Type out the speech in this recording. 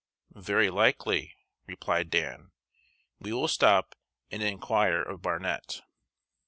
"Very likely," replied Dan; "we will stop and inquire of Barnet."